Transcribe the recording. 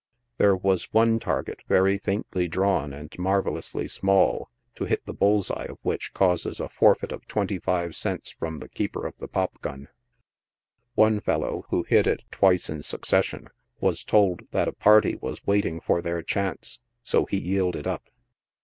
There was one target very faintly drawn and marvelously small, to hit the bull's eye of which causes a forfeit of twenty five cents from the keeper of tbe pop gun. Ono fellow, who hit it twice in succession, was told that a party was waiting for their chance, so he yielded up.